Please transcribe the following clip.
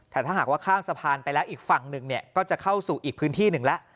แต่ถ้าหากว่าข้ามสะพานไปแล้วอีกฝั่งหนึ่งเนี่ยก็จะเข้าสู่อีกพื้นที่หนึ่งแล้ว